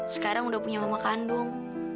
sekarang udah punya mama kandung